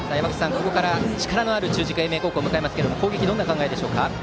ここから力のある中軸を英明高校は迎えますが攻撃はどんな考えですか？